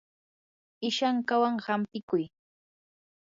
ishankawan hampikuy.